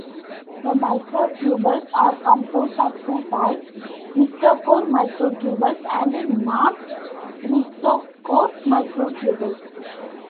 The microtubules are composed of two types, "kinetochore microtubules" and "non-kinetochore microtubules".